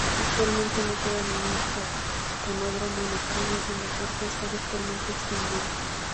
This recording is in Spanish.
Actualmente no queda ningún canódromo en activo y el deporte está virtualmente extinguido.